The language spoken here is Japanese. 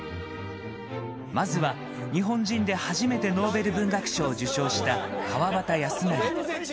まずは日本人で初めてノーベル文学賞を受賞した、川端康成。